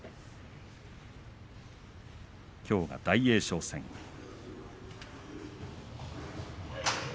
きょうは大栄翔戦です。